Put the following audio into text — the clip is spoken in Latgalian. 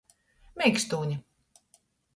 Meikstūne.